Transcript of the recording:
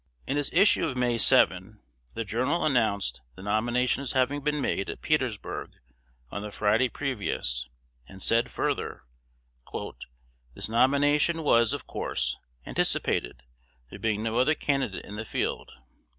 In its issue of May 7, "The Journal" announced the nomination as having been made at Petersburg, on the Friday previous, and said further, "This nomination was, of course, anticipated, there being no other candidate in the field.